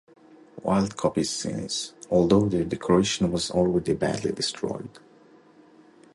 Wild copied scenes, although the decoration was already badly destroyed.